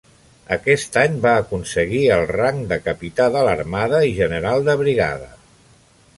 Aquest any va aconseguir el rang de Capità de l'Armada i General de Brigada.